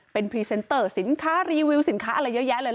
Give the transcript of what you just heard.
เป็นพรีเซนเตอร์สินค้ารีวิวสินค้าอะไรเยอะแยะเลย